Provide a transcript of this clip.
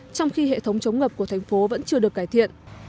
trong khi hệ thống chống ngập của thành phố vẫn chưa được cải thiện